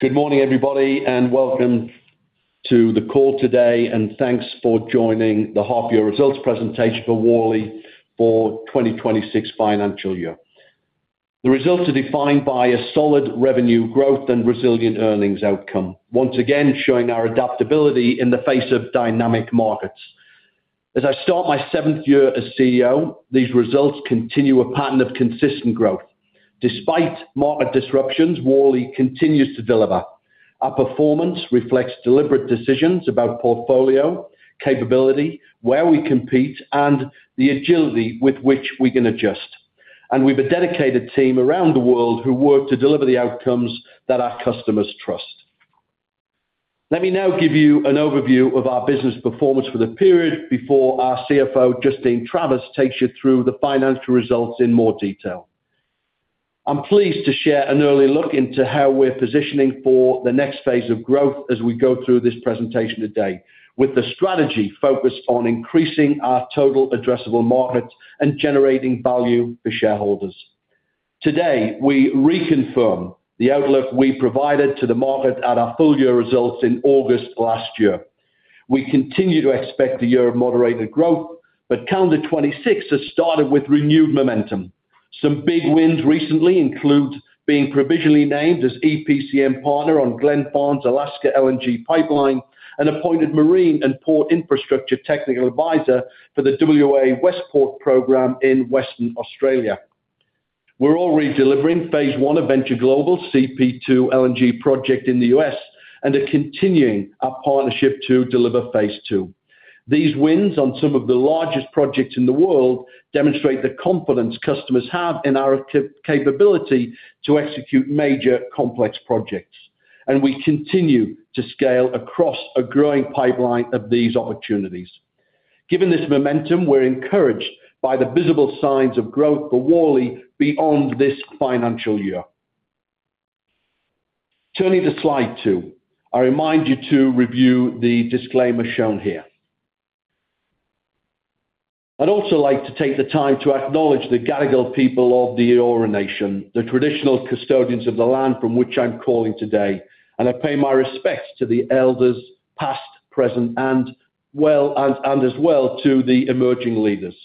Good morning, everybody, welcome to the call today, thanks for joining the half-year results presentation for Worley for 2026 financial year. The results are defined by a solid revenue growth and resilient earnings outcome, once again, showing our adaptability in the face of dynamic markets. As I start my 7th year as CEO, these results continue a pattern of consistent growth. Despite market disruptions, Worley continues to deliver. Our performance reflects deliberate decisions about portfolio, capability, where we compete, and the agility with which we can adjust. We've a dedicated team around the world who work to deliver the outcomes that our customers trust. Let me now give you an overview of our business performance for the period before our CFO, Justine Travers, takes you through the financial results in more detail. I'm pleased to share an early look into how we're positioning for the next phase of growth as we go through this presentation today, with the strategy focused on increasing our Total Addressable Market and generating value for shareholders. Today, we reconfirm the outlook we provided to the market at our full year results in August last year. We continue to expect a year of moderated growth, but calendar 2026 has started with renewed momentum. Some big wins recently include being provisionally named as EPCM partner on Glenfarne's Alaska LNG pipeline and appointed Marine and Port Infrastructure Technical Advisor for the WA Westport program in Western Australia. We're already delivering phase one of Venture Global CP2 LNG project in the U.S. and are continuing our partnership to deliver phase two. These wins on some of the largest projects in the world demonstrate the confidence customers have in our capability to execute major complex projects. We continue to scale across a growing pipeline of these opportunities. Given this momentum, we're encouraged by the visible signs of growth for Worley beyond this financial year. Turning to slide two, I remind you to review the disclaimer shown here. I'd also like to take the time to acknowledge the Gadigal people of the Eora nation, the traditional custodians of the land from which I'm calling today. I pay my respects to the elders, past, present, and well, and as well to the emerging leaders.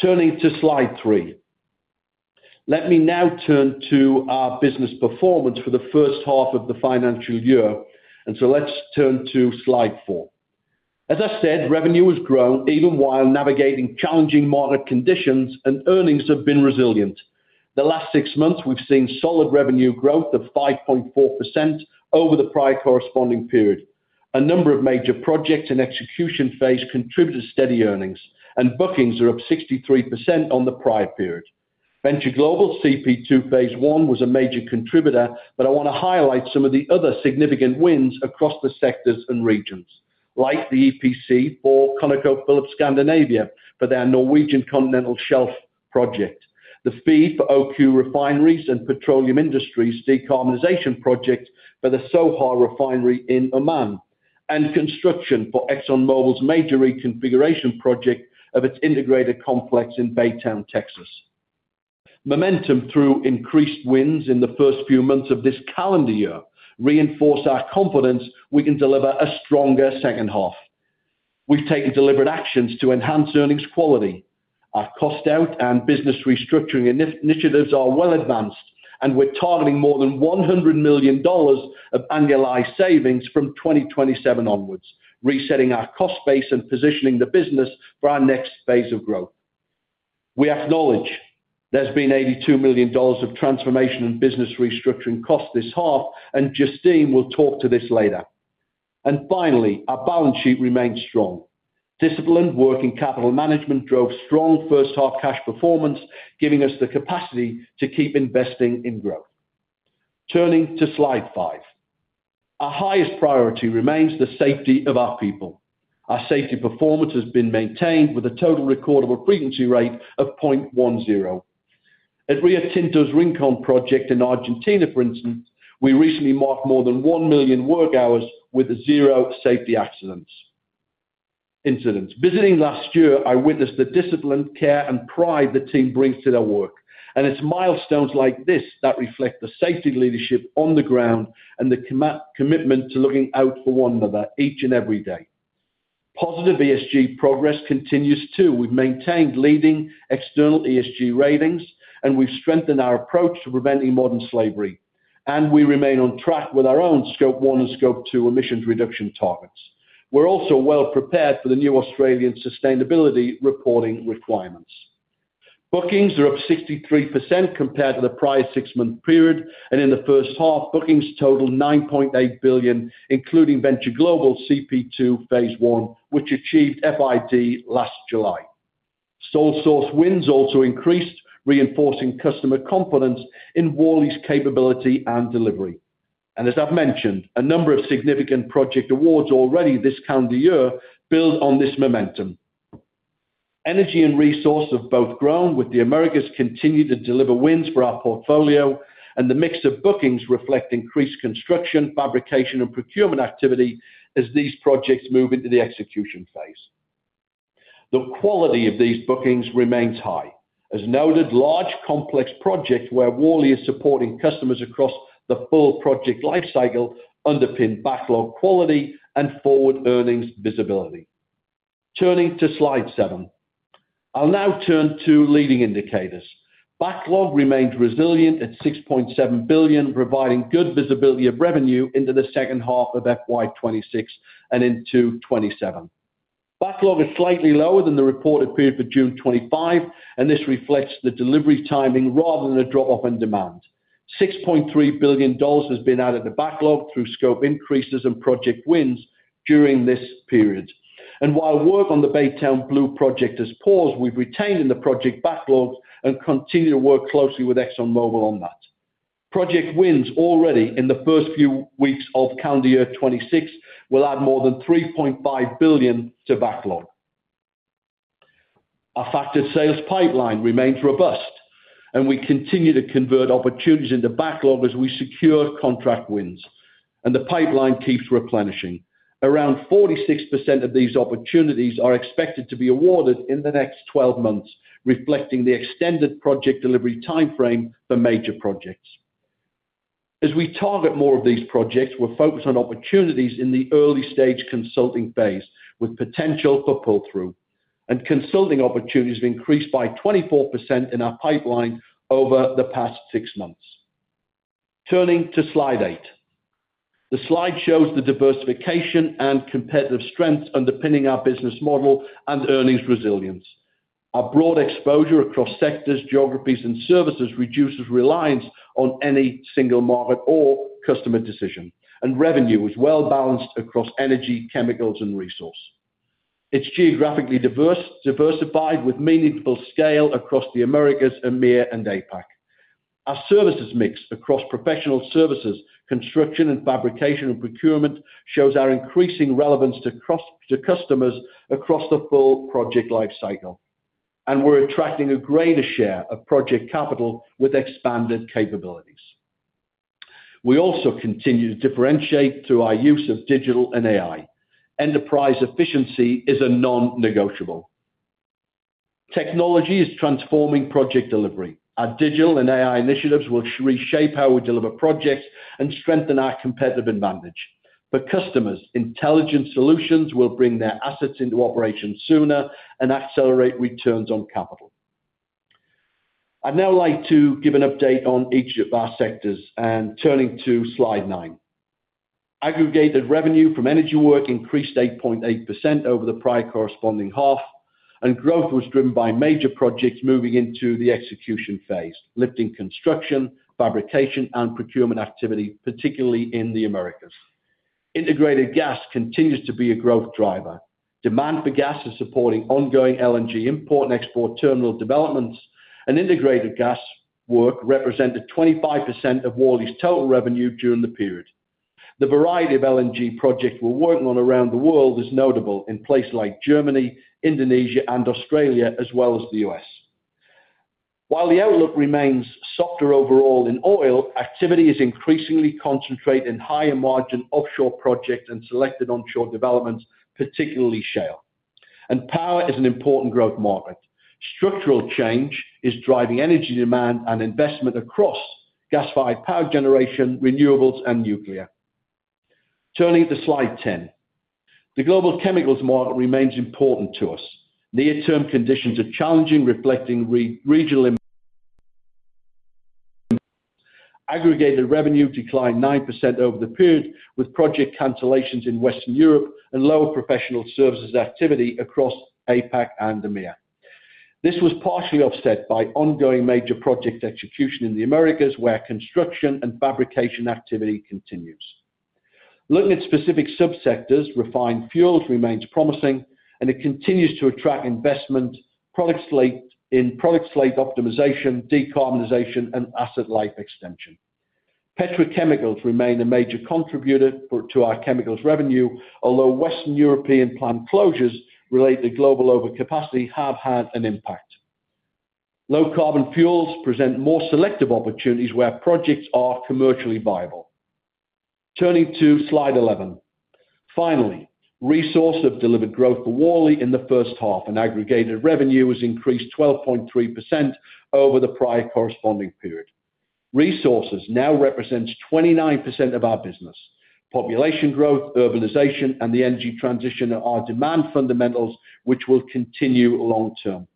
Turning to slide three. Let me now turn to our business performance for the first half of the financial year. Let's turn to slide four. As I said, revenue has grown even while navigating challenging market conditions, and earnings have been resilient. The last six months, we've seen solid revenue growth of 5.4% over the prior corresponding period. A number of major projects in execution phase contributed steady earnings, and bookings are up 63% on the prior period. Venture Global CP2 Phase 1 was a major contributor. I want to highlight some of the other significant wins across the sectors and regions, like the EPC for ConocoPhillips Scandinavia for their Norwegian Continental Shelf project, the FEED for OQ Refineries and Petroleum Industries' Decarbonization project for the Sohar Refinery in Oman, and construction for ExxonMobil's major reconfiguration project of its integrated complex in Baytown, Texas. Momentum through increased wins in the first few months of this calendar year reinforced our confidence we can deliver a stronger second half. We've taken deliberate actions to enhance earnings quality. Our cost out and business restructuring initiatives are well advanced, and we're targeting more than $100 million of annualized savings from 2027 onwards, resetting our cost base and positioning the business for our next phase of growth. We acknowledge there's been $82 million of transformation and business restructuring costs this half, and Justine will talk to this later. Finally, our balance sheet remains strong. Disciplined working capital management drove strong first-half cash performance, giving us the capacity to keep investing in growth. Turning to Slide five. Our highest priority remains the safety of our people. Our safety performance has been maintained with a total recordable frequency rate of 0.10. At Rio Tinto's Rincon project in Argentina, for instance, we recently marked more than one million work hours with zero safety incidents. Visiting last year, I witnessed the discipline, care, and pride the team brings to their work. It's milestones like this that reflect the safety leadership on the ground and the commitment to looking out for one another each and every day. Positive ESG progress continues, too. We've maintained leading external ESG ratings. We've strengthened our approach to preventing modern slavery. We remain on track with our own Scope 1 and Scope 2 emissions reduction targets. We're also well prepared for the new Australian sustainability reporting requirements. Bookings are up 63% compared to the prior 6-month period. In the first half, bookings totaled 9.8 billion, including Venture Global CP2 Phase 1, which achieved FID last July. Sole source wins also increased, reinforcing customer confidence in Worley's capability and delivery. As I've mentioned, a number of significant project awards already this calendar year build on this momentum. Energy and resource have both grown, with the Americas continuing to deliver wins for our portfolio, the mix of bookings reflect increased construction, fabrication, and procurement activity as these projects move into the execution phase. The quality of these bookings remains high. As noted, large, complex projects where Worley is supporting customers across the full project life cycle underpin backlog quality and forward earnings visibility. Turning to slide seven. I'll now turn to leading indicators. Backlog remained resilient at 6.7 billion, providing good visibility of revenue into the second half of FY 2026 and into 2027. Backlog is slightly lower than the reported period for June 2025, this reflects the delivery timing rather than a drop-off in demand. 6.3 billion dollars has been added to backlog through scope increases and project wins during this period. While work on the Baytown Blue project is paused, we've retained in the project backlogs and continue to work closely with ExxonMobil on that. Project wins already in the first few weeks of calendar year 2026 will add more than 3.5 billion to backlog. Our factor sales pipeline remains robust, and we continue to convert opportunities into backlog as we secure contract wins, and the pipeline keeps replenishing. Around 46% of these opportunities are expected to be awarded in the next 12 months, reflecting the extended project delivery timeframe for major projects. As we target more of these projects, we're focused on opportunities in the early stage consulting phase, with potential for pull-through. Consulting opportunities have increased by 24% in our pipeline over the past six months. Turning to slide eight. The slide shows the diversification and competitive strengths underpinning our business model and earnings resilience. Our broad exposure across sectors, geographies, and services reduces reliance on any single market or customer decision, and revenue is well balanced across Energy, Chemicals and Resources. It's geographically diversified with meaningful scale across the Americas, EMEA, and APAC. Our services mix across professional services, construction and fabrication, and procurement shows our increasing relevance to customers across the full project lifecycle. We're attracting a greater share of project capital with expanded capabilities. We also continue to differentiate through our use of digital and AI. Enterprise efficiency is a non-negotiable. Technology is transforming project delivery. Our digital and AI initiatives will reshape how we deliver projects and strengthen our competitive advantage. For customers, intelligent solutions will bring their assets into operation sooner and accelerate returns on capital. I'd now like to give an update on each of our sectors, turning to slide nine. Aggregated revenue from energy work increased 8.8% over the prior corresponding half, growth was driven by major projects moving into the execution phase, lifting construction, fabrication, and procurement activity, particularly in the Americas. Integrated gas continues to be a growth driver. Demand for gas is supporting ongoing LNG import and export terminal developments, integrated gas work represented 25% of Worley's total revenue during the period. The variety of LNG projects we're working on around the world is notable in places like Germany, Indonesia, and Australia, as well as the U.S.. While the outlook remains softer overall in oil, activity is increasingly concentrated in higher-margin offshore projects and selected onshore developments, particularly shale. Power is an important growth market. Structural change is driving energy demand and investment across gas-fired power generation, renewables, and nuclear. Turning to slide 10. The global Chemicals market remains important to us. Near-term conditions are challenging, reflecting regional... Aggregated revenue declined 9% over the period, with project cancellations in Western Europe and lower professional services activity across APAC and EMEA. This was partially offset by ongoing major project execution in the Americas, where construction and fabrication activity continues. Looking at specific subsectors, refined fuels remains promising, and it continues to attract investment in product slate optimization, decarbonization, and asset life extension. Petrochemicals remain a major contributor to our chemicals revenue, although Western European plant closures related to global overcapacity have had an impact. Low carbon fuels present more selective opportunities where projects are commercially viable. Turning to slide 11. Finally, Resources have delivered growth for Worley in the first half, and aggregated revenue has increased 12.3% over the prior corresponding period. Resources now represents 29% of our business. Population growth, urbanization, and the energy transition are our demand fundamentals, which will continue long term.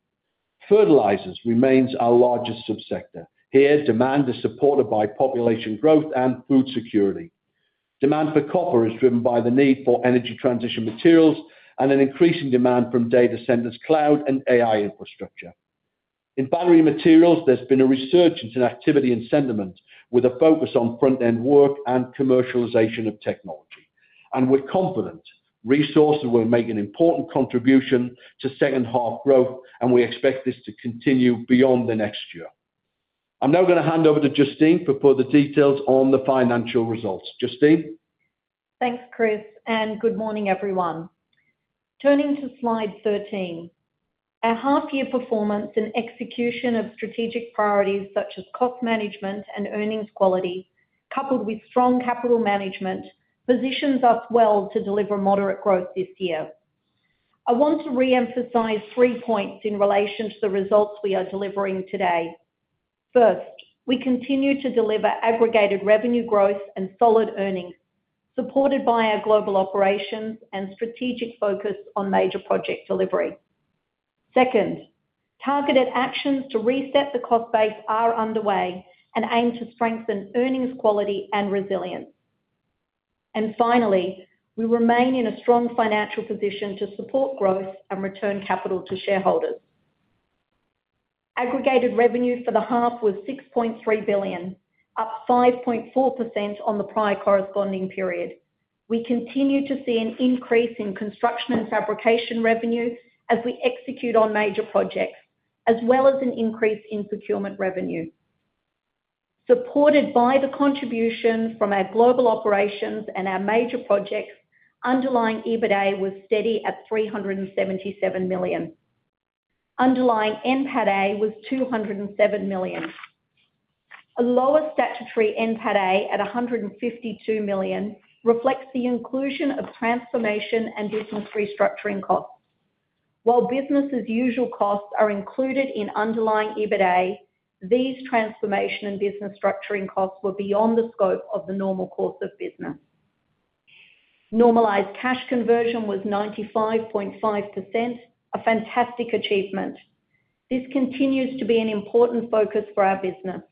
Fertilizers remains our largest subsector. Here, demand is supported by population growth and food security. Demand for copper is driven by the need for energy transition materials and an increasing demand from Data Centers, Cloud, and AI Infrastructure. In battery materials, there's been a resurgence in activity and sentiment, with a focus on front-end work and commercialization of technology. We're confident Resources will make an important contribution to second half growth, and we expect this to continue beyond the next year. I'm now going to hand over to Justine for further details on the financial results. Justine? Thanks, Chris. Good morning, everyone. Turning to slide 13. Our half year performance and execution of strategic priorities, such as cost management and earnings quality, coupled with strong capital management, positions us well to deliver moderate growth this year. I want to reemphasize three points in relation to the results we are delivering today. First, we continue to deliver aggregated revenue growth and solid earnings, supported by our global operations and strategic focus on major project delivery. Second, targeted actions to reset the cost base are underway and aim to strengthen earnings, quality, and resilience. Finally, we remain in a strong financial position to support growth and return capital to shareholders. Aggregated revenue for the half was 6.3 billion, up 5.4% on the prior corresponding period. We continue to see an increase in construction and fabrication revenue as we execute on major projects, as well as an increase in procurement revenue. Supported by the contribution from our global operations and our major projects, underlying EBITA was steady at 377 million. Underlying NPATA was 207 million. A lower statutory NPATA, at 152 million, reflects the inclusion of transformation and business restructuring costs. While business as usual costs are included in underlying EBITA, these transformation and business structuring costs were beyond the scope of the normal course of business. Normalized cash conversion was 95.5%, a fantastic achievement. This continues to be an important focus for our business.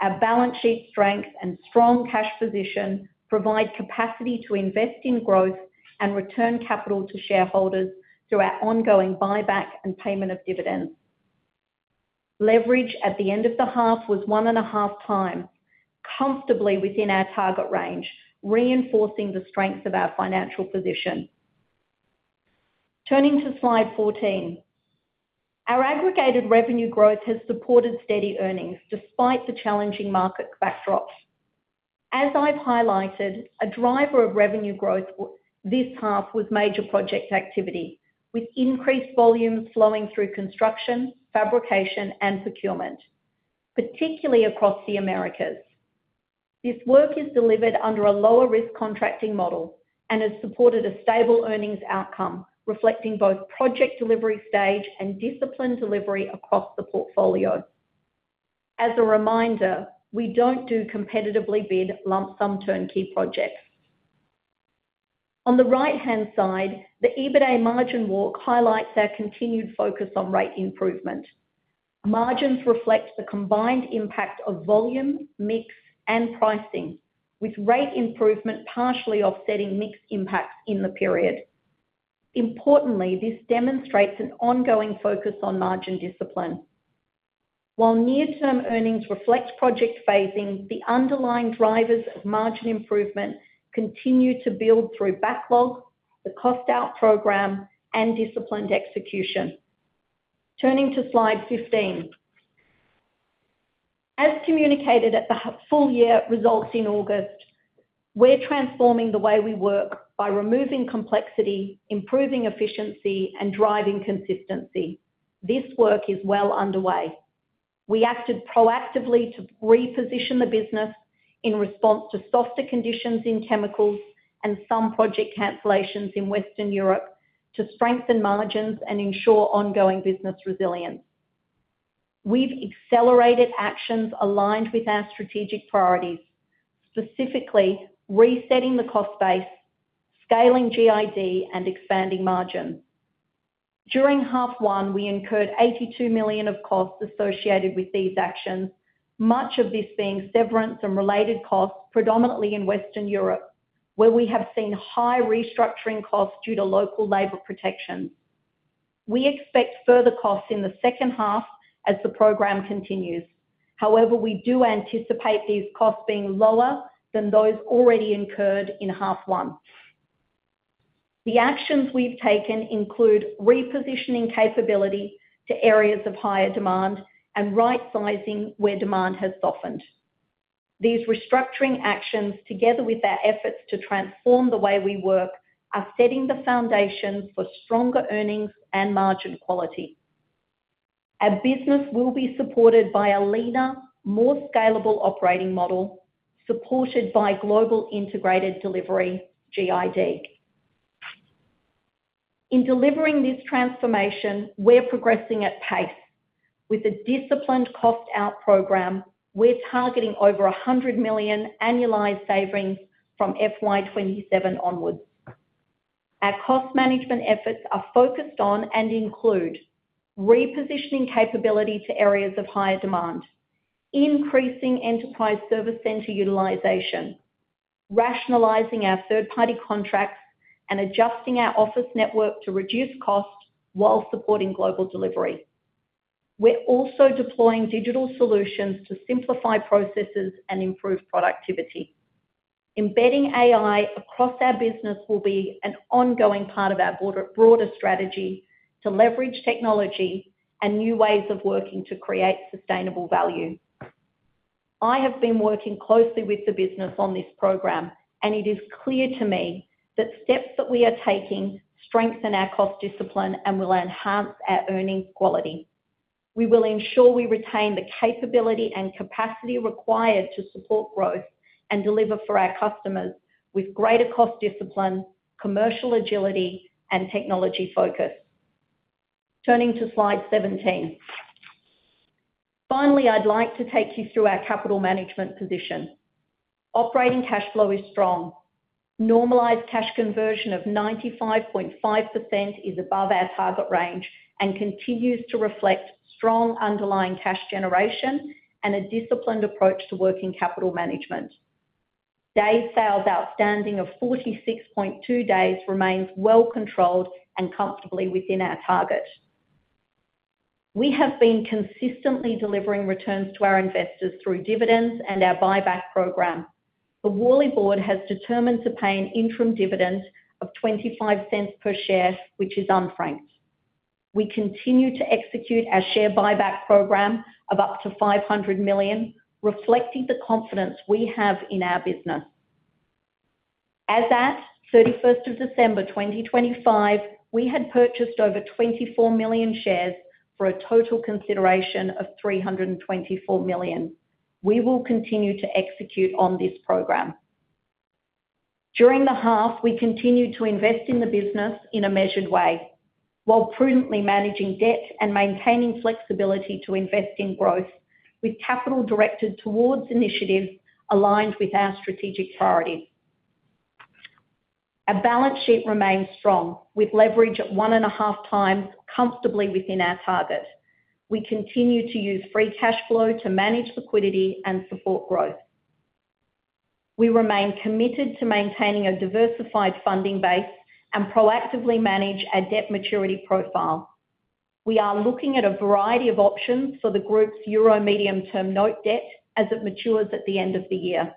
Our balance sheet strength and strong cash position provide capacity to invest in growth and return capital to shareholders through our ongoing buyback and payment of dividends. Leverage at the end of the half was 1.5x, comfortably within our target range, reinforcing the strength of our financial position. Turning to slide 14. Our aggregated revenue growth has supported steady earnings despite the challenging market backdrop. As I've highlighted, a driver of revenue growth, this half, was major project activity, with increased volumes flowing through construction, fabrication, and procurement, particularly across the Americas. This work is delivered under a lower-risk contracting model and has supported a stable earnings outcome, reflecting both project delivery stage and disciplined delivery across the portfolio. As a reminder, we don't do competitively bid lump sum turnkey projects. On the right-hand side, the EBITA margin walk highlights our continued focus on rate improvement. Margins reflect the combined impact of volume, mix, and pricing, with rate improvement partially offsetting mix impacts in the period. Importantly, this demonstrates an ongoing focus on margin discipline. While near-term earnings reflect project phasing, the underlying drivers of margin improvement continue to build through backlog, the cost out program, and disciplined execution. Turning to slide 15. As communicated at the full-year results in August, we're transforming the way we work by removing complexity, improving efficiency, and driving consistency. This work is well underway. We acted proactively to reposition the business in response to softer conditions in chemicals and some project cancellations in Western Europe to strengthen margins and ensure ongoing business resilience. We've accelerated actions aligned with our strategic priorities, specifically resetting the cost base, scaling GID, and expanding margins. During half one, we incurred 82 million of costs associated with these actions, much of this being severance and related costs, predominantly in Western Europe, where we have seen high restructuring costs due to local labor protections. We expect further costs in the second half as the program continues. We do anticipate these costs being lower than those already incurred in half one. The actions we've taken include repositioning capability to areas of higher demand and right-sizing where demand has softened. These restructuring actions, together with our efforts to transform the way we work, are setting the foundation for stronger earnings and margin quality. Our business will be supported by a leaner, more scalable operating model, supported by Global Integrated Delivery, GID. In delivering this transformation, we're progressing at pace. With a disciplined cost-out program, we're targeting over $100 million annualized savings from FY 2027 onwards. Our cost management efforts are focused on and include repositioning capability to areas of higher demand, increasing enterprise service center utilization, rationalizing our third-party contracts, and adjusting our office network to reduce costs while supporting global delivery. We're also deploying digital solutions to simplify processes and improve productivity. Embedding AI across our business will be an ongoing part of our broader strategy to leverage technology and new ways of working to create sustainable value. I have been working closely with the business on this program, and it is clear to me that steps that we are taking strengthen our cost discipline and will enhance our earnings quality. We will ensure we retain the capability and capacity required to support growth and deliver for our customers with greater cost discipline, commercial agility, and technology focus. Turning to slide 17. Finally, I'd like to take you through our capital management position. Operating cash flow is strong. Normalized cash conversion of 95.5% is above our target range and continues to reflect strong underlying cash generation and a disciplined approach to working capital management. Days sales outstanding of 46.2 days remains well controlled and comfortably within our target. We have been consistently delivering returns to our investors through dividends and our buyback program. The Worley board has determined to pay an interim dividend of 0.25 per share, which is unframed. We continue to execute our share buyback program of up to 500 million, reflecting the confidence we have in our business. As at 31st of December 2025, we had purchased over 24 million shares for a total consideration of 324 million. We will continue to execute on this program. During the half, we continued to invest in the business in a measured way, while prudently managing debt and maintaining flexibility to invest in growth, with capital directed towards initiatives aligned with our strategic priorities. Our balance sheet remains strong, with leverage at 1.5x comfortably within our target. We continue to use free cash flow to manage liquidity and support growth. We remain committed to maintaining a diversified funding base and proactively manage our debt maturity profile. We are looking at a variety of options for the group's euro medium-term note debt as it matures at the end of the year.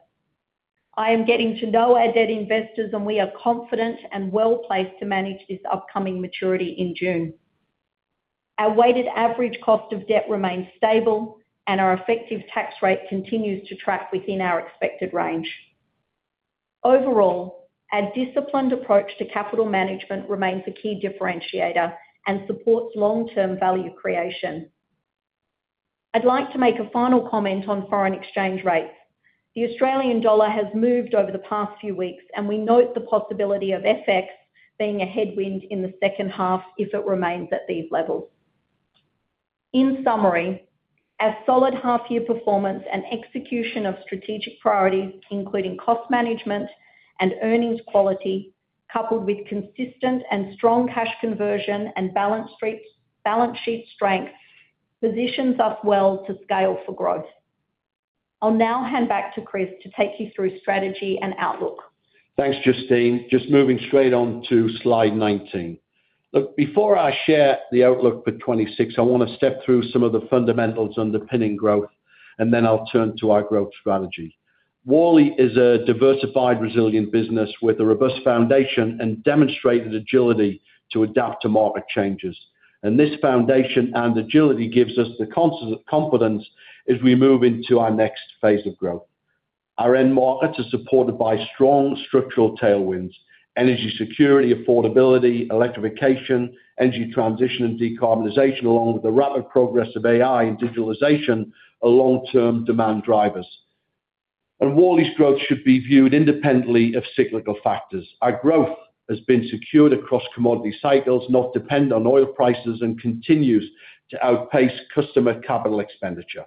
I am getting to know our debt investors. We are confident and well-placed to manage this upcoming maturity in June. Our weighted average cost of debt remains stable, and our effective tax rate continues to track within our expected range. Overall, our disciplined approach to capital management remains a key differentiator and supports long-term value creation. I'd like to make a final comment on Foreign Exchange rates. The Australian dollar has moved over the past few weeks. We note the possibility of FX being a headwind in the second half if it remains at these levels. In summary, our solid half-year performance and execution of strategic priorities, including cost management and earnings quality, coupled with consistent and strong cash conversion and balance sheet strength, positions us well to scale for growth. I'll now hand back to Chris to take you through strategy and outlook. Thanks, Justine. Just moving straight on to slide 19. Look, before I share the outlook for 2026, I want to step through some of the fundamentals underpinning growth, then I'll turn to our growth strategy. Worley is a diversified, resilient business with a robust foundation and demonstrated agility to adapt to market changes. This foundation and agility gives us the confidence as we move into our next phase of growth. Our end markets are supported by strong structural tailwinds, energy security, affordability, electrification, energy transition, and decarbonization, along with the rapid progress of AI and digitalization, are long-term demand drivers. Worley's growth should be viewed independently of cyclical factors. Our growth has been secured across commodity cycles, not depend on oil prices, and continues to outpace customer capital expenditure.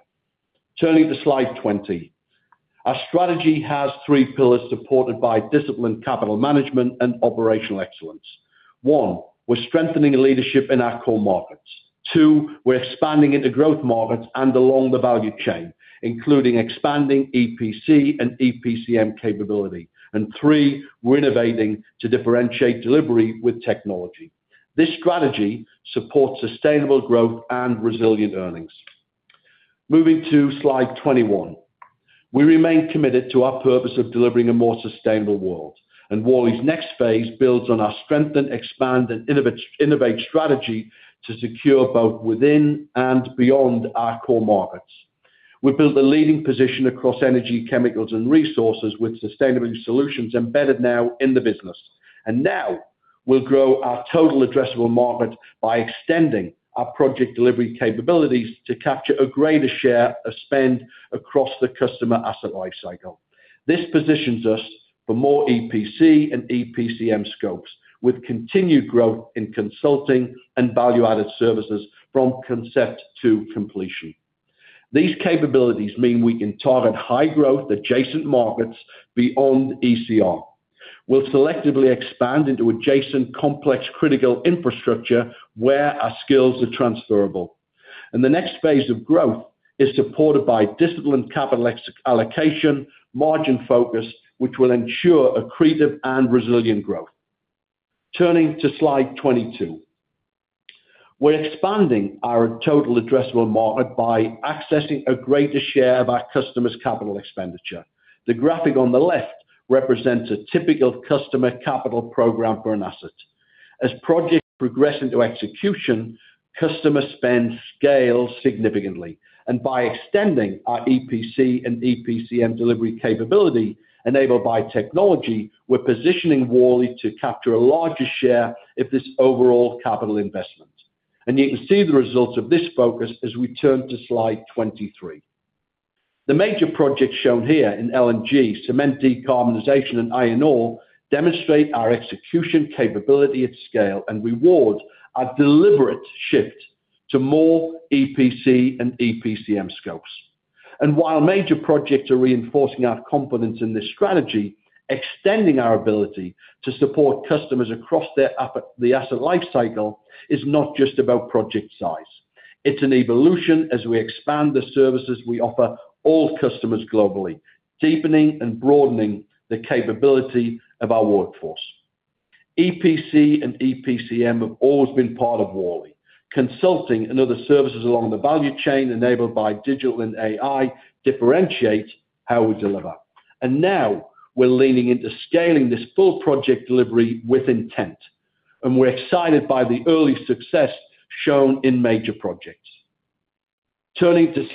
Turning to slide 20. Our strategy has three pillars supported by disciplined capital management and operational excellence. One, we're strengthening leadership in our core markets. Two, we're expanding into growth markets and along the value chain, including expanding EPC and EPCM capability. Three, we're innovating to differentiate delivery with technology. This strategy supports sustainable growth and resilient earnings. Moving to slide 21. We remain committed to our purpose of delivering a more sustainable world, and Worley's next phase builds on our strengthen, expand, and innovate strategy to secure both within and beyond our core markets. We build a leading position across energy, chemicals, and resources with sustainable solutions embedded now in the business. Now, we'll grow our Total Addressable Market by extending our project delivery capabilities to capture a greater share of spend across the customer asset lifecycle. This positions us for more EPC and EPCM scopes, with continued growth in consulting and value-added services from concept to completion. These capabilities mean we can target high-growth, adjacent markets beyond ECR. We'll selectively expand into adjacent, complex, critical infrastructure where our skills are transferable. The next phase of growth is supported by disciplined capital allocation, margin focus, which will ensure accretive and resilient growth. Turning to slide 22. We're expanding our Total Addressable Market by accessing a greater share of our customers' capital expenditure. The graphic on the left represents a typical customer capital program for an asset. As projects progress into execution, customer spend scales significantly. By extending our EPC and EPCM delivery capability enabled by technology, we're positioning Worley to capture a larger share of this overall capital investment. You can see the results of this focus as we turn to slide 23. The major projects shown here in LNG, Cement, Decarbonization, and Iron Ore demonstrate our execution capability at scale and reward our deliberate shift to more EPC and EPCM scopes. While major projects are reinforcing our confidence in this strategy, extending our ability to support customers across their the asset lifecycle is not just about project size. It's an evolution as we expand the services we offer all customers globally, deepening and broadening the capability of our workforce. EPC and EPCM have always been part of Worley. Consulting and other services along the value chain, enabled by digital and AI, differentiate how we deliver. Now we're leaning into scaling this Full Project Delivery with intent, and we're excited by the early success shown in major projects. Turning to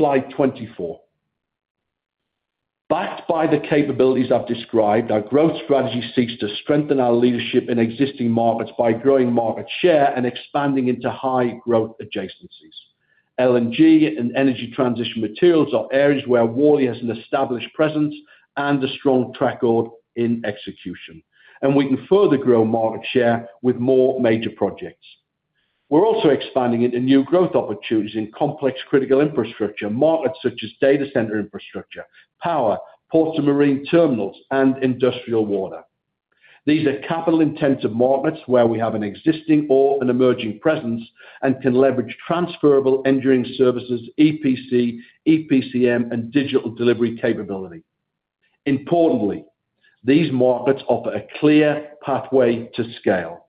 slide 24. Backed by the capabilities I've described, our growth strategy seeks to strengthen our leadership in existing markets by growing market share and expanding into high-growth adjacencies. LNG and energy transition materials are areas where Worley has an established presence and a strong track record in execution, and we can further grow market share with more major projects. We're also expanding into new growth opportunities in complex, Critical Infrastructure markets, such as Data Center Infrastructure, Power, Ports and Marine Terminals, and Industrial Water. These are capital-intensive markets where we have an existing or an emerging presence and can leverage transferable engineering services, EPC, EPCM, and digital delivery capability. Importantly, these markets offer a clear pathway to scale.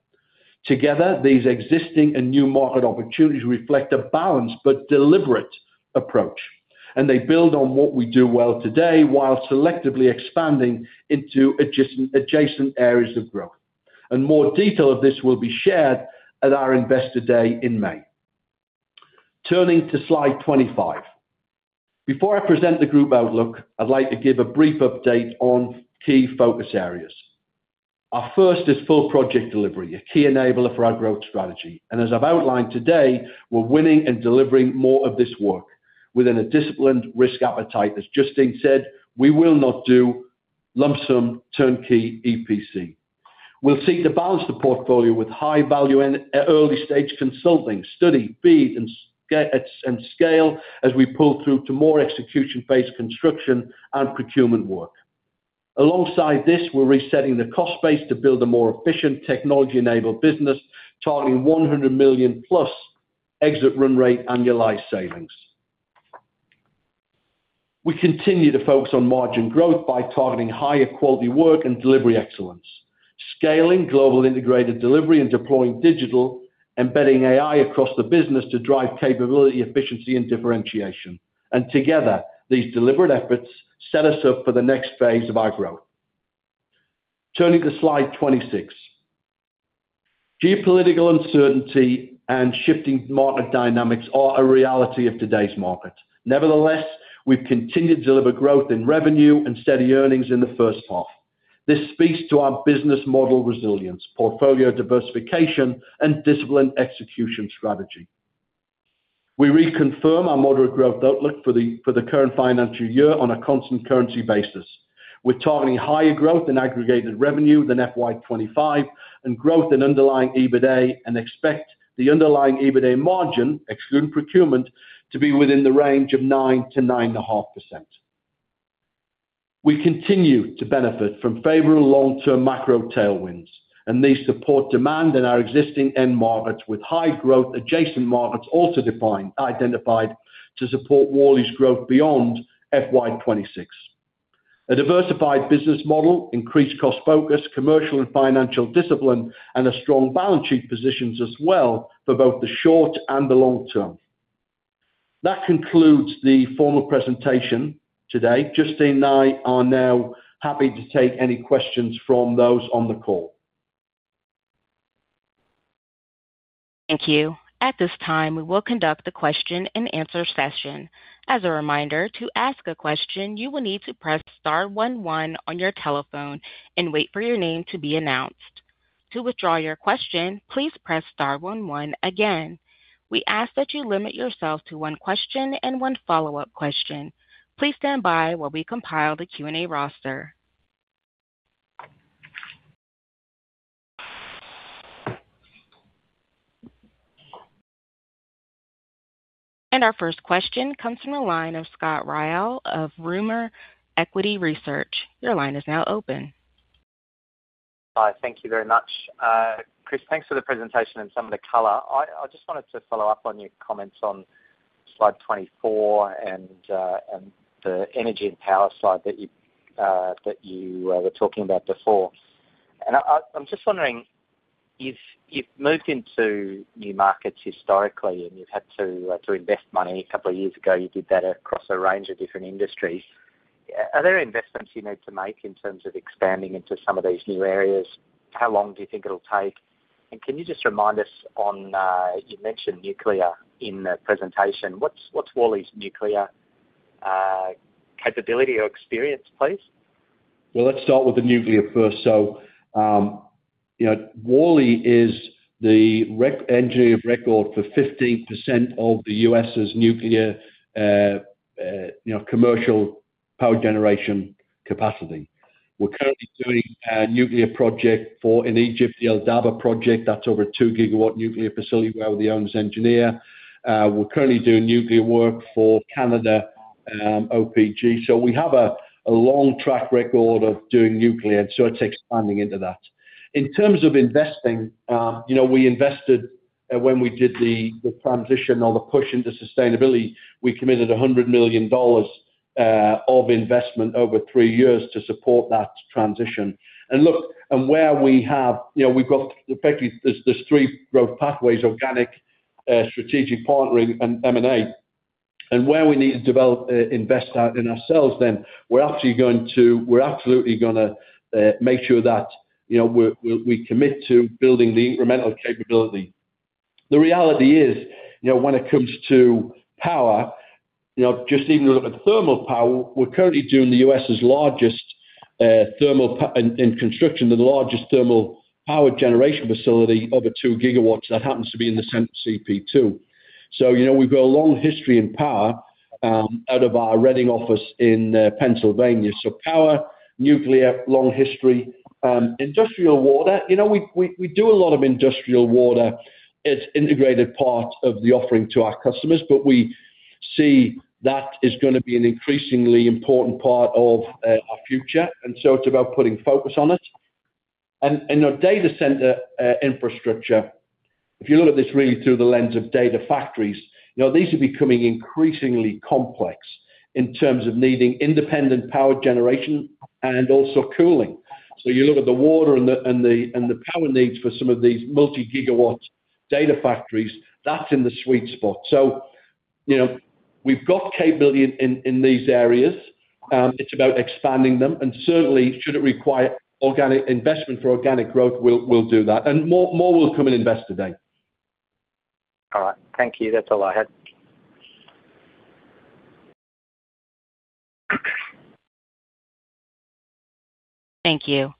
Together, these existing and new market opportunities reflect a balanced but deliberate approach, and they build on what we do well today while selectively expanding into adjacent areas of growth. More detail of this will be shared at our Investor Day in May. Turning to slide 25. Before I present the group outlook, I'd like to give a brief update on key focus areas. Our first is Full Project Delivery, a key enabler for our growth strategy, and as I've outlined today, we're winning and delivering more of this work within a disciplined risk appetite. As Justine said, we will not do lump sum turnkey EPC. We'll seek to balance the portfolio with high value and early-stage consulting, study, FEED, and scale as we pull through to more execution-based construction and procurement work. Alongside this, we're resetting the cost base to build a more efficient, technology-enabled business, targeting $100 million-plus exit run rate annualized savings. We continue to focus on margin growth by targeting higher quality work and delivery excellence, scaling Global Integrated Delivery and deploying digital, embedding AI across the business to drive capability, efficiency, and differentiation. Together, these deliberate efforts set us up for the next phase of our growth. Turning to slide 26. Geopolitical uncertainty and shifting market dynamics are a reality of today's market. Nevertheless, we've continued to deliver growth in revenue and steady earnings in the first half. This speaks to our business model resilience, portfolio diversification, and disciplined execution strategy. We reconfirm our moderate growth outlook for the current financial year on a constant currency basis. We're targeting higher growth in aggregated revenue than FY 2025 and growth in underlying EBITA and expect the underlying EBITA margin, excluding procurement, to be within the range of 9%-9.5%. We continue to benefit from favorable long-term macro tailwinds, and these support demand in our existing end markets, with high-growth adjacent markets also identified to support Worley's growth beyond FY 2026. A diversified business model, increased cost focus, commercial and financial discipline, and a strong balance sheet positions us well for both the short and the long term. That concludes the formal presentation today. Justine and I are now happy to take any questions from those on the call. Thank you. At this time, we will conduct the question-and-answer session. As a reminder, to ask a question, you will need to press star one one on your telephone and wait for your name to be announced. To withdraw your question, please press star one one again. We ask that you limit yourself to one question and one follow-up question. Please stand by while we compile the Q&A roster. Our first question comes from the line of Scott Ryall of Rimor Equity Research. Your line is now open. Hi, thank you very much. Chris, thanks for the presentation and some of the color. I just wanted to follow up on your comments on slide 24 and the energy and power slide that you that you were talking about before. I'm just wondering, you've moved into new markets historically, and you've had to invest money. A couple of years ago, you did that across a range of different industries. Are there investments you need to make in terms of expanding into some of these new areas? How long do you think it'll take? Can you just remind us on, you mentioned nuclear in the presentation. What's Worley's nuclear capability or experience, please? Let's start with the nuclear first. You know, Worley is the engineer of record for 15% of the U.S.'s nuclear, you know, commercial power generation capacity. We're currently doing a nuclear project in Egypt, the El Dabaa project, that's over a 2 GW nuclear facility where we are the owner's engineer. We're currently doing nuclear work for Canada, OPG. We have a long track record of doing nuclear, it takes expanding into that. In terms of investing, you know, we invested when we did the transition or the push into sustainability, we committed $100 million of investment over three years to support that transition. Where we have, you know, we've got effectively, there's three growth pathways: Organic, Strategic Partnering and M&A. Where we need to develop, invest out in ourselves, then we're absolutely gonna make sure that, you know, we commit to building the incremental capability. The reality is, when it comes to Power, just even look at thermal power, we're currently doing the U.S.'s largest thermal power generation facility over 2 GW. That happens to be in the CP2. We've got a long history in power out of our Reading office in Pennsylvania. Power, nuclear, long history. Industrial water, we do a lot of industrial water. It's integrated part of the offering to our customers, but we see that is gonna be an increasingly important part of our future, it's about putting focus on it. You know, Data Center Infrastructure, if you look at this really through the lens of data factories, you know, these are becoming increasingly complex in terms of needing independent power generation and also cooling. You look at the water and the, and the, and the power needs for some of these multi-gigawatt data factories, that's in the sweet spot. You know, we've got capability in, in these areas, it's about expanding them. Certainly, should it require organic investment for organic growth, we'll do that. More will come in Invest Today. All right. Thank you. That's all I had. Thank you.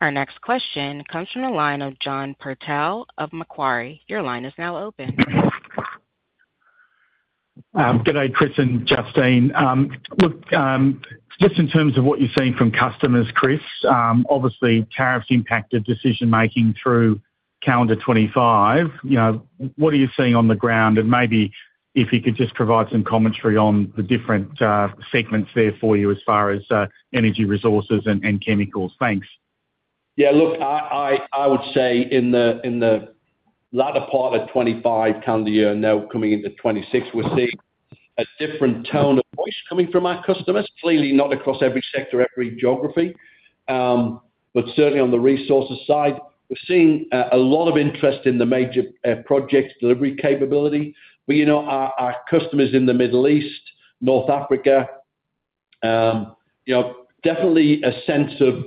Our next question comes from the line of John Purtell of Macquarie. Your line is now open. Good day, Chris and Justine. Look, just in terms of what you're seeing from customers, Chris, obviously, tariffs impacted decision-making through calendar 2025. You know, what are you seeing on the ground? Maybe if you could just provide some commentary on the different segments there for you as far as energy, resources, and chemicals. Thanks. Yeah, look, I would say in the latter part of 2025, calendar year, now coming into 2026, we're seeing a different tone of voice coming from our customers. Clearly, not across every sector, every geography, but certainly on the resources side, we're seeing a lot of interest in the major project delivery capability. You know, our customers in the Middle East, North Africa, you know, definitely a sense of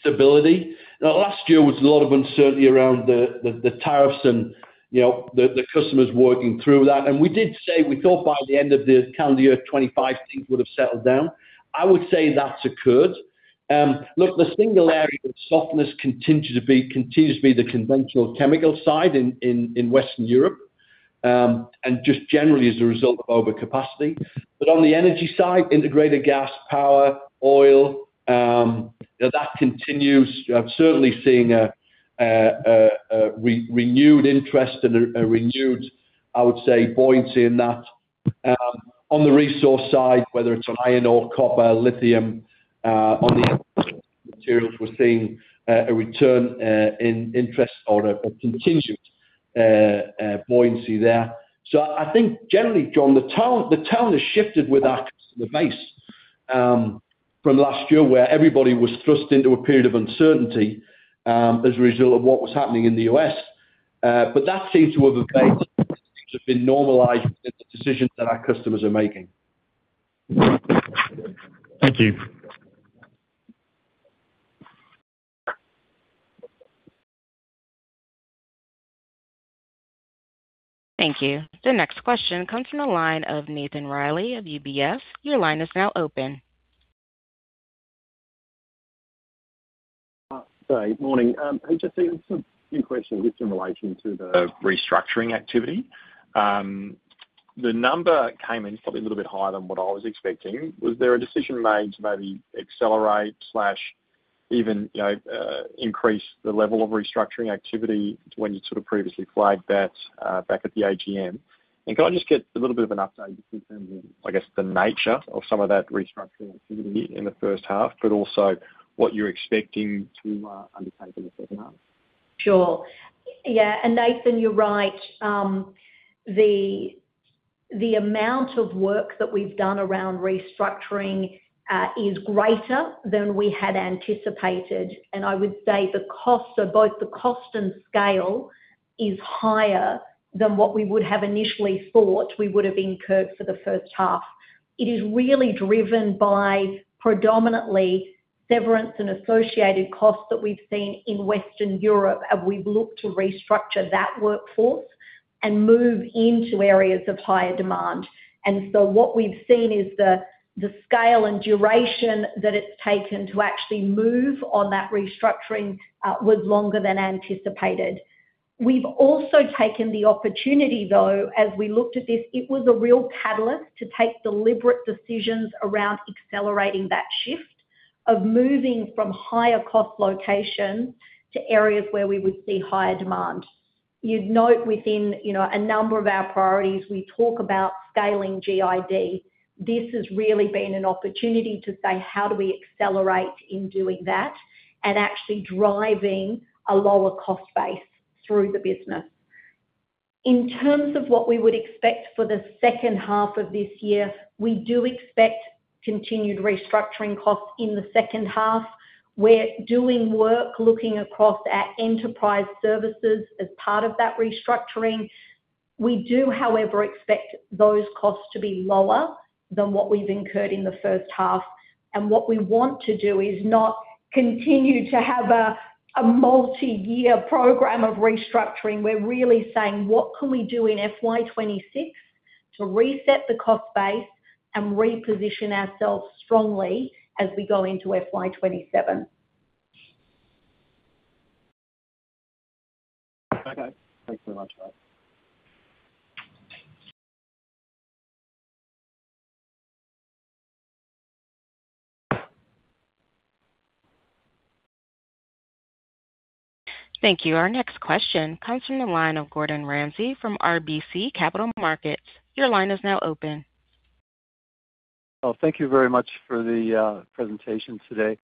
stability. Last year was a lot of uncertainty around the tariffs and, you know, the customers working through that. We did say we thought by the end of the calendar year 2025, things would have settled down. I would say that's occurred. Look, the single area of softness continues to be the conventional chemical side in Western Europe, and just generally as a result of overcapacity. On the energy side, integrated gas, power, oil, now that continues. I'm certainly seeing a renewed interest and a renewed, I would say, buoyancy in that. On the resource side, whether it's on iron ore, copper, lithium, on the materials, we're seeing a return in interest or a contingent buoyancy there. I think generally, John, the tone has shifted with our customer base from last year, where everybody was thrust into a period of uncertainty as a result of what was happening in the U.S.. That seems to have been normalized in the decisions that our customers are making. Thank you. Thank you. The next question comes from the line of Nathan Reilly of UBS. Your line is now open. Good morning. I just have a few questions in relation to the restructuring activity. The number came in probably a little bit higher than what I was expecting. Was there a decision made to maybe accelerate slash even, you know, increase the level of restructuring activity to when you sort of previously flagged that back at the AGM? Can I just get a little bit of an update just in terms of, I guess, the nature of some of that restructuring activity in the first half, but also what you're expecting to undertake in the second half? Sure. Yeah, Nathan, you're right. The, the amount of work that we've done around restructuring is greater than we had anticipated, and I would say the cost, so both the cost and scale, is higher than what we would have initially thought we would have incurred for the first half. It is really driven by severance and associated costs that we've seen in Western Europe as we've looked to restructure that workforce and move into areas of higher demand. What we've seen is the scale and duration that it's taken to actually move on that restructuring was longer than anticipated. We've also taken the opportunity, though, as we looked at this, it was a real catalyst to take deliberate decisions around accelerating that shift of moving from higher cost locations to areas where we would see higher demand. You'd note within, you know, a number of our priorities, we talk about scaling GID. This has really been an opportunity to say: how do we accelerate in doing that and actually driving a lower cost base through the business? In terms of what we would expect for the second half of this year, we do expect continued restructuring costs in the second half. We're doing work looking across our enterprise services as part of that restructuring. We do, however, expect those costs to be lower than what we've incurred in the first half, and what we want to do is not continue to have a multi-year program of restructuring. We're really saying: What can we do in FY 2026 to reset the cost base and reposition ourselves strongly as we go into FY 2027? Okay. Thanks very much, Nat. Thank you. Our next question comes from the line of Gordon Ramsay from RBC Capital Markets. Your line is now open. Well, thank you very much for the presentation today.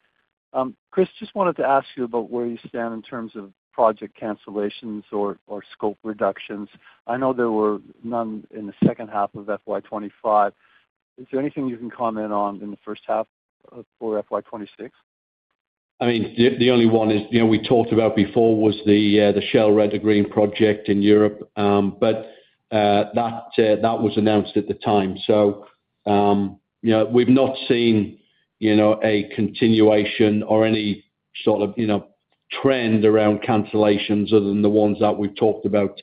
Chris, just wanted to ask you about where you stand in terms of project cancellations or scope reductions. I know there were none in the second half of FY 2025. Is there anything you can comment on in the first half for FY 2026? I mean, the only one is, you know, we talked about before was the Shell Red to Green project in Europe. That was announced at the time. You know, we've not seen, you know, a continuation or any sort of, you know, trend around cancellations other than the ones that we've talked about,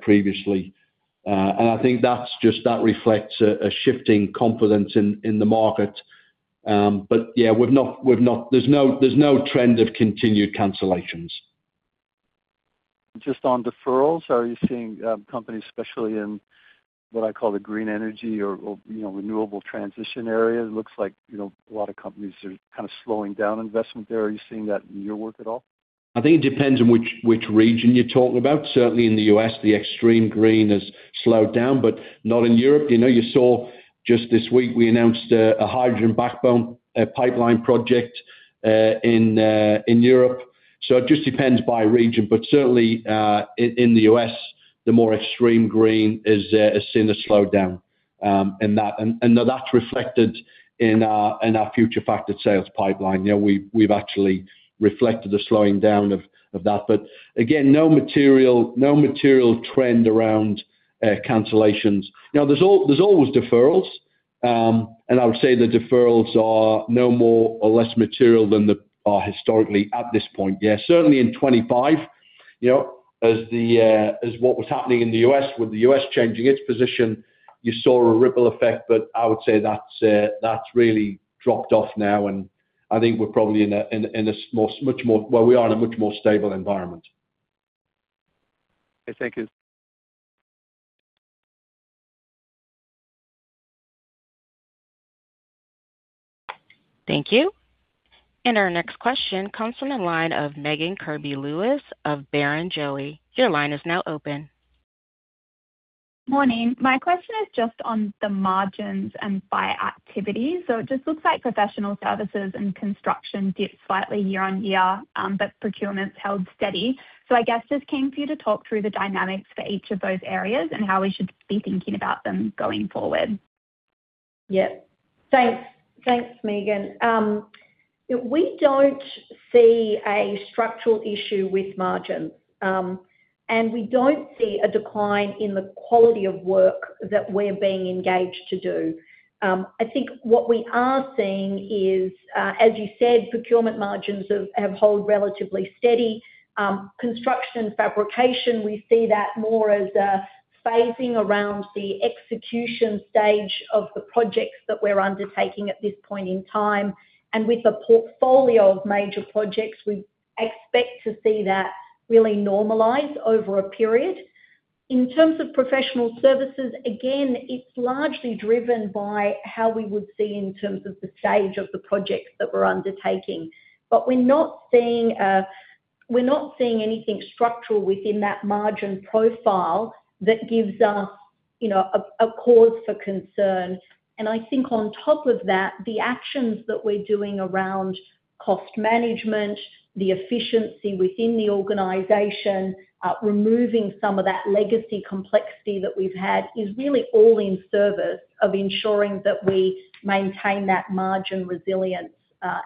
previously. I think that's just, that reflects a shifting confidence in the market. Yeah, we've not, there's no, there's no trend of continued cancellations. Just on deferrals, are you seeing companies, especially in what I call the green energy or, you know, renewable transition area? It looks like, you know, a lot of companies are kind of slowing down investment there. Are you seeing that in your work at all? I think it depends on which region you're talking about. Certainly in the U.S., the extreme green has slowed down, but not in Europe. You know, you saw just this week, we announced a hydrogen backbone, a pipeline project in Europe. It just depends by region, but certainly in the U.S., the more extreme green is has seen a slowdown. That's reflected in our future factored sales pipeline. You know, we've actually reflected a slowing down of that, but again, no material trend around cancellations. You know, there's always deferrals, and I would say the deferrals are no more or less material than they are historically at this point. Yeah, certainly in 25, you know, as what was happening in the U.S., with the U.S. changing its position, you saw a ripple effect. I would say that's really dropped off now. Well, we are in a much more stable environment. Okay. Thank you. Thank you. Our next question comes from the line of Megan Kirby-Lewis of Barrenjoey. Your line is now open. Morning. My question is just on the margins and buyer activity. It just looks like professional services and construction dipped slightly year-over-year, but procurement held steady. I guess just came for you to talk through the dynamics for each of those areas and how we should be thinking about them going forward. Thanks, Megan. We don't see a structural issue with margins, and we don't see a decline in the quality of work that we're being engaged to do. I think what we are seeing is, as you said, procurement margins have held relatively steady. Construction, fabrication, we see that more as a phasing around the execution stage of the projects that we're undertaking at this point in time. With the portfolio of major projects, we expect to see that really normalize over a period. In terms of professional services, again, it's largely driven by how we would see in terms of the stage of the projects that we're undertaking. We're not seeing anything structural within that margin profile that gives us, you know, a cause for concern. I think on top of that, the actions that we're doing around cost management, the efficiency within the organization, removing some of that legacy complexity that we've had, is really all in service of ensuring that we maintain that margin resilience,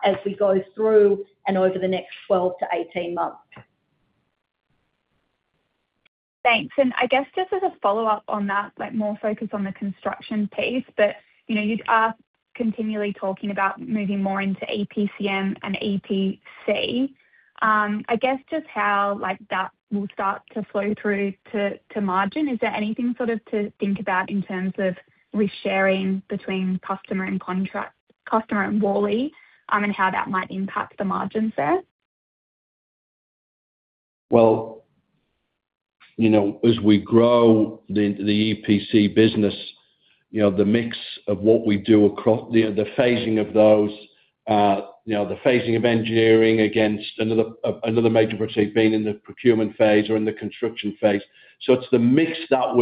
as we go through and over the next 12 to 18 months. Thanks. I guess just as a follow-up on that, like, more focused on the construction piece, but, you know, you are continually talking about moving more into EPCM and EPC. I guess just how, like, that will start to flow through to margin? Is there anything sort of to think about in terms of risk sharing between customer and contract, customer and Worley, and how that might impact the margins there? Well, you know, as we grow the EPC business, you know, the mix of what we do across the phasing of those, you know, the phasing of engineering against another major project being in the procurement phase or in the construction phase. It's the mix of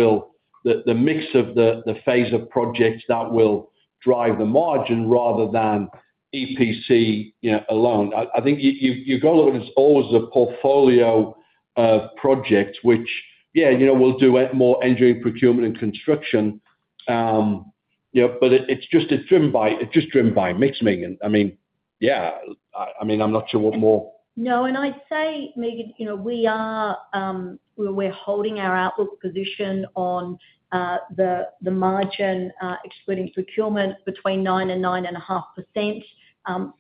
the phase of projects that will drive the margin rather than EPC, you know, alone. I think you've got to look at it always as a portfolio of projects, which, yeah, you know, we'll do more engineering, procurement, and construction. You know, it's just driven by mixing. I mean, yeah. I mean, I'm not sure what more- I'd say, Megan, you know, we are, we're holding our outlook position on the margin excluding procurement between 9% and 9.5%.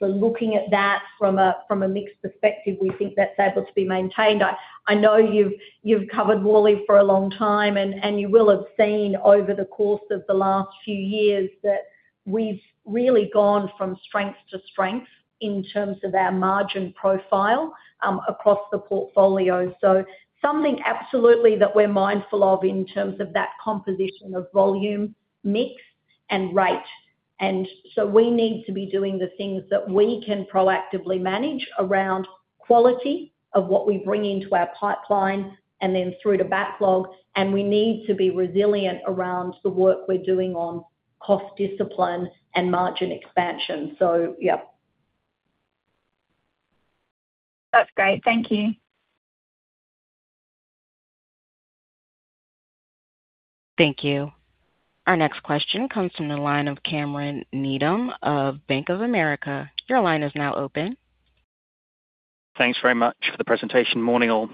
Looking at that from a mix perspective, we think that's able to be maintained. I know you've covered Worley for a long time, and you will have seen over the course of the last few years that we've really gone from strength to strength in terms of our margin profile across the portfolio. Something absolutely that we're mindful of in terms of that composition of volume, mix, and rate. We need to be doing the things that we can proactively manage around quality of what we bring into our pipeline and then through to backlog. We need to be resilient around the work we're doing on cost discipline and margin expansion. Yep. That's great. Thank you. Thank you. Our next question comes from the line of Cameron Needham of Bank of America. Your line is now open. Thanks very much for the presentation. Morning, all.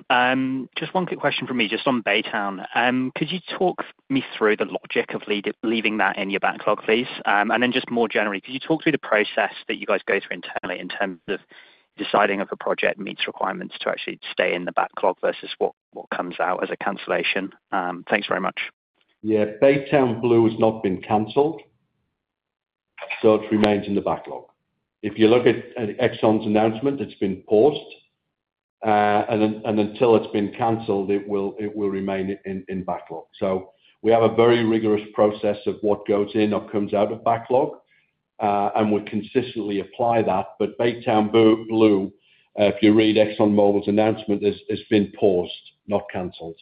Just one quick question from me, just on Baytown. Could you talk me through the logic of leaving that in your backlog, please? And then just more generally, could you talk through the process that you guys go through internally in terms of deciding if a project meets requirements to actually stay in the backlog versus what comes out as a cancellation? Thanks very much. Yeah, Baytown Blue has not been canceled, so it remains in the backlog. If you look at Exxon's announcement, it's been paused, until it will remain in backlog. We have a very rigorous process of what goes in or comes out of backlog, and we consistently apply that. Baytown Blue, if you read ExxonMobil's announcement, it's been paused, not canceled.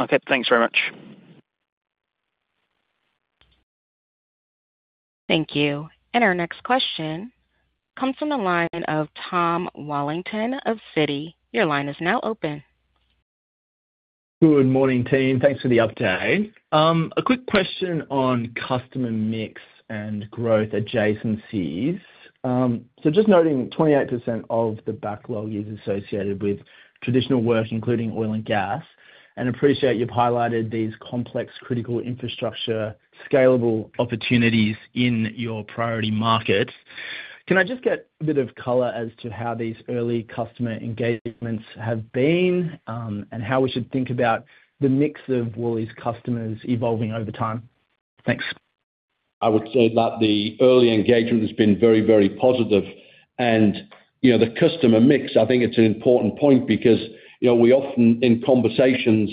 Okay, thanks very much. Thank you. Our next question comes from the line of Tom Wallington of Citi. Your line is now open. Good morning, team. Thanks for the update. A quick question on customer mix and growth adjacencies? Just noting 28% of the backlog is associated with traditional work, including oil and gas, and appreciate you've highlighted these Complex Critical Infrastructure, scalable opportunities in your priority markets. Can I just get a bit of color as to how these early customer engagements have been, and how we should think about the mix of Worley's customers evolving over time? Thanks. I would say that the early engagement has been very, very positive. You know, the customer mix, I think it's an important point because, you know, we often, in conversations,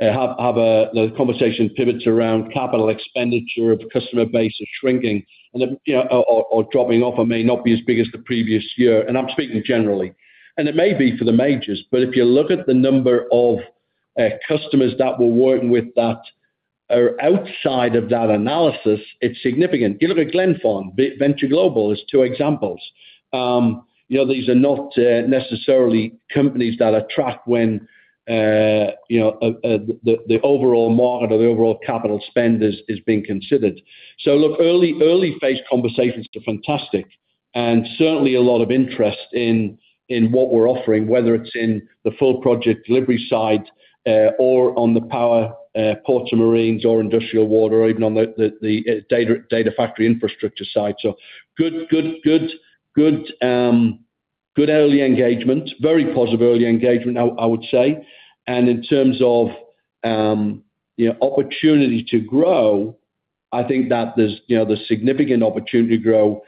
have the conversation pivots around capital expenditure of customer base is shrinking and then, you know, or dropping off or may not be as big as the previous year. I'm speaking generally, and it may be for the majors, but if you look at the number of customers that we're working with that are outside of that analysis, it's significant. You look at Glenfarne, Venture Global is two examples. You know, these are not necessarily companies that are tracked when, you know, the overall market or the overall capital spend is being considered. Look, early phase conversations are fantastic and certainly a lot of interest in what we're offering, whether it's in the Full Project Delivery side, or on the Power, Ports and Marines or Industrial Water, or even on the data factory infrastructure side. Good early engagement. Very positive early engagement, I would say. In terms of, you know, opportunity to grow, I think that there's, you know, there's significant opportunity to grow,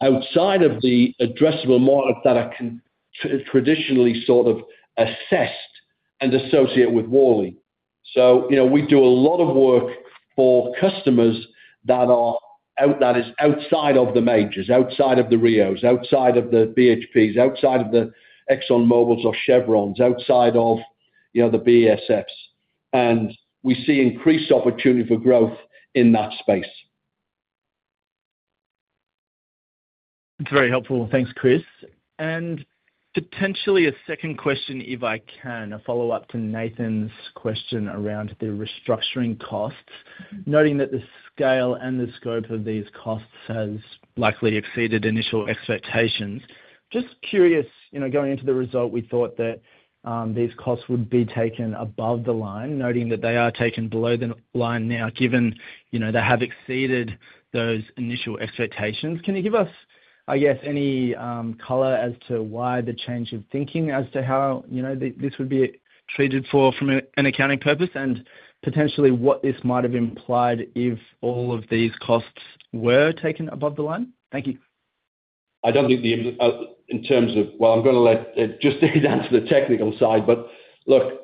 outside of the addressable markets that are traditionally sort of assessed and associated with Worley. You know, we do a lot of work for customers that are out, that is outside of the majors, outside of the Rios, outside of the BHPs, outside of the ExxonMobils or Chevrons, outside of, you know, the BSFs, and we see increased opportunity for growth in that space. That's very helpful. Thanks, Chris. Potentially a second question, if I can, a follow-up to Nathan's question around the restructuring costs. Noting that the scale and the scope of these costs has likely exceeded initial expectations. Just curious, you know, going into the result, we thought that these costs would be taken above the line, noting that they are taken below the line now, given, you know, they have exceeded those initial expectations. Can you give us, I guess, any color as to why the change of thinking as to how, you know, this would be treated for from an accounting purpose, and potentially what this might have implied if all of these costs were taken above the line? Thank you. I don't think the, Well, I'm gonna let Justine down to the technical side, but look,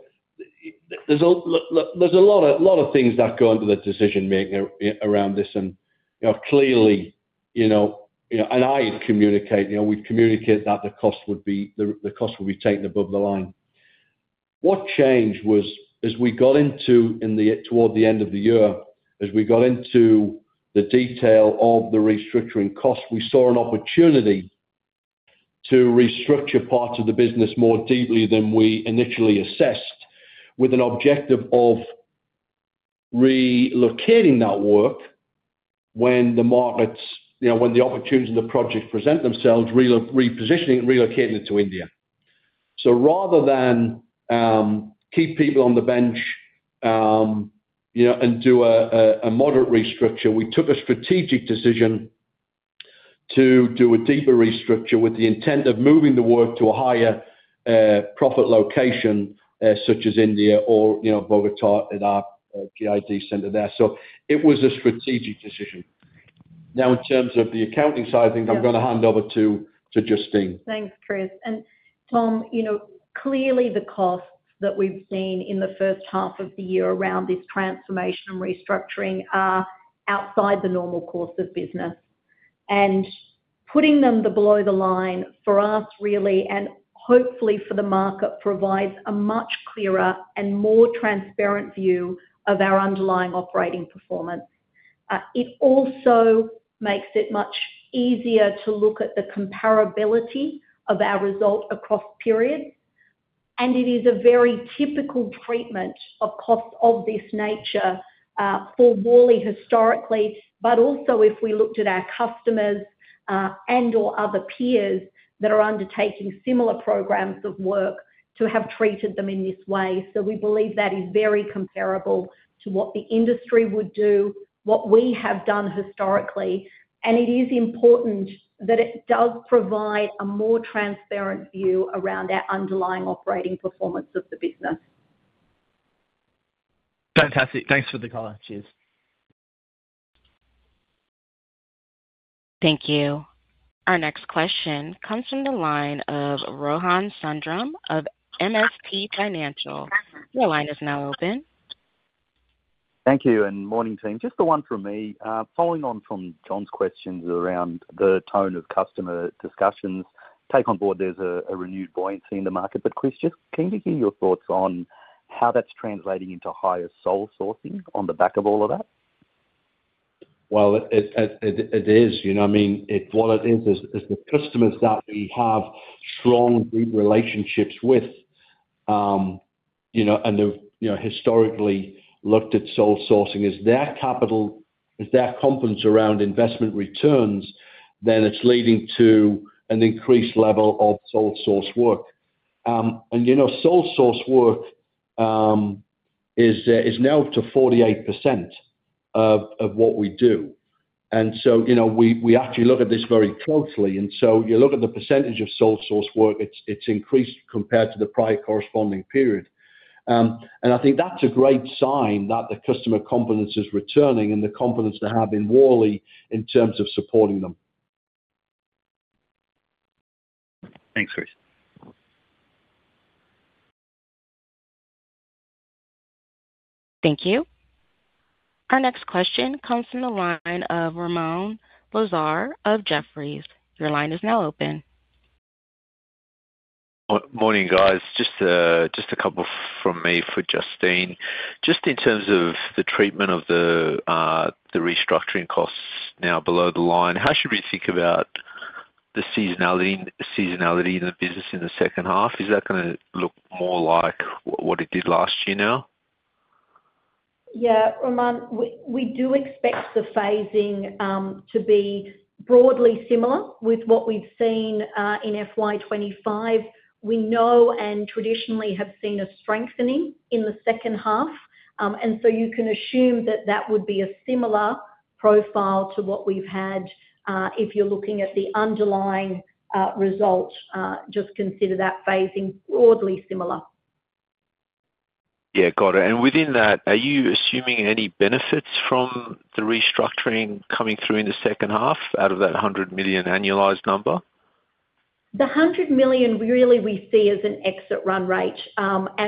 there's a lot of things that go into the decision-making around this, and, you know, clearly, you know, you know, and I communicate, you know, we've communicated that the cost would be, the cost will be taken above the line. What changed was, as we got into, toward the end of the year, as we got into the detail of the restructuring costs, we saw an opportunity to restructure parts of the business more deeply than we initially assessed, with an objective of relocating that work when the markets, you know, when the opportunities and the projects present themselves, repositioning and relocating it to India. Rather than, keep people on the bench, you know, and do a moderate restructure, we took a strategic decision to do a deeper restructure with the intent of moving the work to a higher profit location, such as India or, you know, Bogota in our GID center there. It was a strategic decision. Now, in terms of the accounting side, I think I'm gonna hand over to Justine. Thanks, Chris. Tom, you know, clearly the costs that we've seen in the first half of the year around this transformation and restructuring are outside the normal course of business. Putting them the below the line for us, really, and hopefully for the market, provides a much clearer and more transparent view of our underlying operating performance. It also makes it much easier to look at the comparability of our result across periods, and it is a very typical treatment of costs of this nature for Worley historically, but also if we looked at our customers, and/or other peers that are undertaking similar programs of work to have treated them in this way. We believe that is very comparable to what the industry would do, what we have done historically, and it is important that it does provide a more transparent view around our underlying operating performance of the business. Fantastic. Thanks for the call. Cheers. Thank you. Our next question comes from the line of Rohan Sundram of MST Financial. Your line is now open. Thank you. Morning, team. Just the one from me. Following on from John's questions around the tone of customer discussions, take on board there's a renewed buoyancy in the market. Chris, just can we hear your thoughts on how that's translating into higher sole sourcing on the back of all of that? Well, it is, you know, I mean, what it is the customers that we have strong relationships with, you know, and they've, you know, historically looked at sole sourcing, is their capital, is their confidence around investment returns, then it's leading to an increased level of sole source work. You know, sole source work is now up to 48% of what we do. You know, we actually look at this very closely, you look at the percentage of sole source work, it's increased compared to the prior corresponding period. I think that's a great sign that the customer confidence is returning and the confidence they have in Worley in terms of supporting them. Thanks, Chris. Thank you. Our next question comes from the line of Ramoun Lazar of Jefferies. Your line is now open. Morning, guys. Just a couple from me for Justine. Just in terms of the treatment of the restructuring costs now below the line, how should we think about the seasonality in the business in the second half? Is that gonna look more like what it did last year now? Yeah, Ramoun, we do expect the phasing to be broadly similar with what we've seen in FY 2025. We know and traditionally have seen a strengthening in the second half. You can assume that that would be a similar profile to what we've had, if you're looking at the underlying results, just consider that phasing broadly similar. Yeah. Got it. Within that, are you assuming any benefits from the restructuring coming through in the second half out of that $100 million annualized number? The 100 million, really, we see as an exit run rate.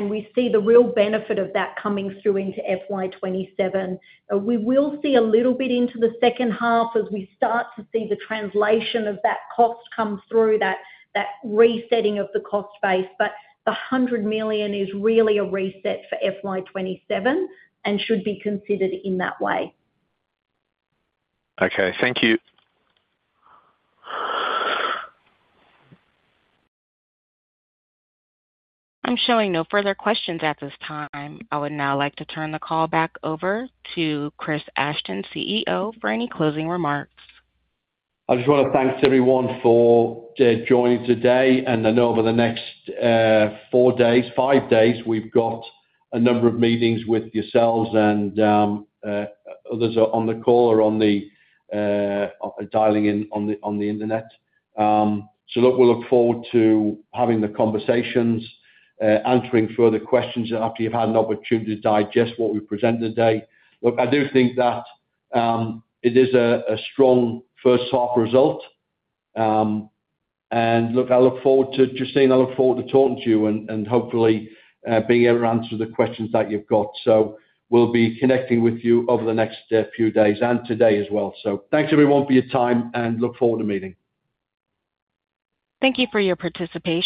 We see the real benefit of that coming through into FY 2027. We will see a little bit into the second half as we start to see the translation of that cost come through, that resetting of the cost base. The 100 million is really a reset for FY 2027 and should be considered in that way. Okay. Thank you. I'm showing no further questions at this time. I would now like to turn the call back over to Chris Ashton, CEO, for any closing remarks. I just wanna thank everyone for joining today. I know over the next four days, five days, we've got a number of meetings with yourselves and others are on the call or on the dialing in on the internet. Look, we look forward to having the conversations, answering further questions after you've had an opportunity to digest what we've presented today. Look, I do think that it is a strong first half result. Look, I look forward to Justine, I look forward to talking to you and hopefully being able to answer the questions that you've got. We'll be connecting with you over the next few days and today as well. Thanks everyone for your time, and look forward to meeting. Thank you for your participation.